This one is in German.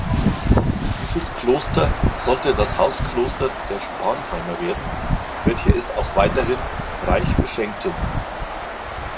Dieses Kloster sollte das Hauskloster der Spanheimer werden, welche es auch weiterhin reich beschenkten.